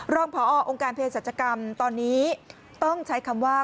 รองพอองค์การเพศรัชกรรมตอนนี้ต้องใช้คำว่า